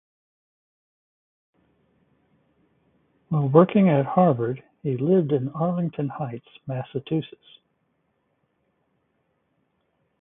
While working at Harvard, he lived in Arlington Heights, Massachusetts.